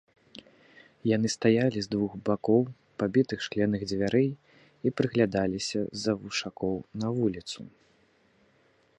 Яны стаялі з двух бакоў пабітых шкляных дзвярэй і прыглядаліся з-за вушакоў на вуліцу.